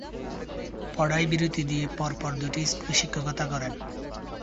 পড়ায় বিরতি দিয়ে পর পর দুটি স্কুলে শিক্ষকতা করেন।